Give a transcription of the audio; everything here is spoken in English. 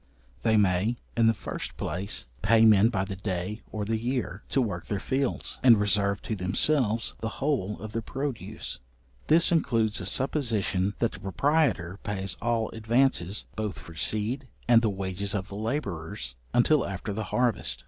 They may, in the first place, pay men by the day or the year, to work their fields, and reserve to themselves the whole of the produce; this includes a supposition that the proprietor pays all advances, both for seed, and the wages of the labourers, until after the harvest.